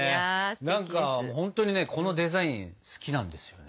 何かほんとにねこのデザイン好きなんですよね。